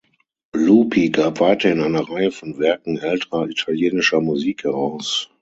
Lupi gab weiterhin eine Reihe von Werken älterer italienischer Musik heraus.